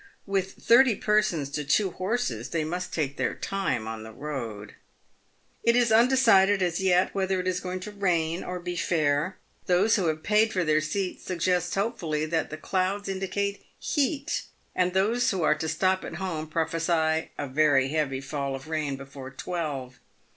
With thirty persons to two horses they must take their time on the road. It is undecided as yet whether it is going to rain, or be fair ; those who have paid for their seats suggest hopefully that the clouds indicate heat, and those who are to stop at home prophesy a very heavy fall of rain before twelve.